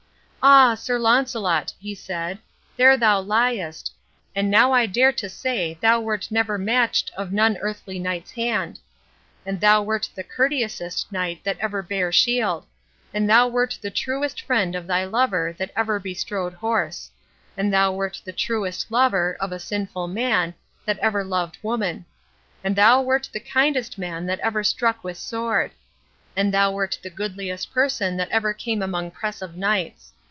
"Ah, Sir Launcelot!" he said, "there thou liest. And now I dare to say thou wert never matched of none earthly knight's hand. And thou wert the courteousest knight that ever bare shield; and thou wert the truest friend to thy lover that ever bestrode horse; and thou wert the truest lover, of a sinful man, that ever loved woman; and thou wert the kindest man that ever struck with sword. And thou wert the goodliest person that ever came among press of knights.